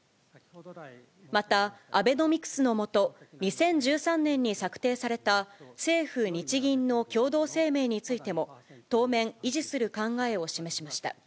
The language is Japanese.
また、アベノミクスの下、２０１３年に策定された、政府・日銀の共同声明についても、当面、維持する考えを示しました。